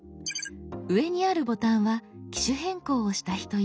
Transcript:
上にあるボタンは機種変更をした人用。